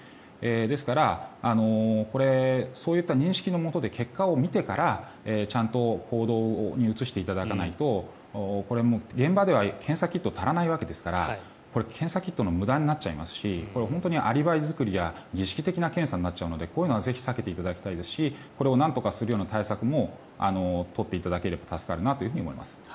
ですから、これそういった認識のもとで結果を見てから、ちゃんと行動に移していただかないと現場では検査キットが足らないわけですから検査キットの無駄になっちゃいますしアリバイ作りや儀式的な検査になってしまうのでこれは避けていただきたいですしこれをなんとかするような対策も取っていただければ助かるなと思います。